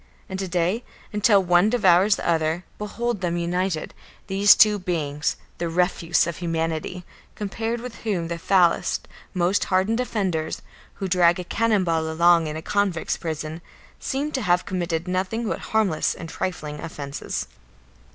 And to day, until one devours the other, behold them united, these two beings, the refuse of humanity, compared with whom the foulest, most hardened offenders, who drag a cannon ball along in a convict's prison, seem to have committed nothing but harmless and trifling offences.